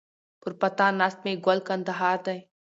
پر پاتا ناست مي ګل کندهار دی